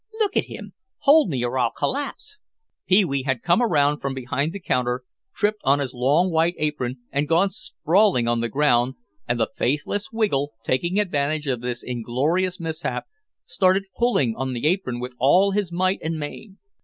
Look at him! Hold me or I'll collapse!" Pee wee had come around from behind the counter, tripped on his long white apron and gone sprawling on the ground, and the faithless Wiggle, taking advantage of this inglorious mishap, started pulling on the apron with all his might and main.